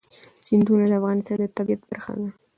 سیندونه د افغانستان د طبیعت برخه ده.